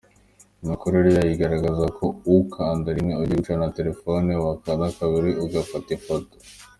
Imikorere yayo igaragaza ko ukanda rimwe ugiye gucana telefoni, wakanda kabiri ugufata ifoto.